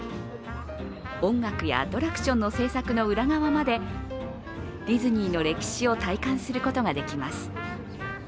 音楽やアトラクションの制作の裏側までディズニーの歴史を体感することができます。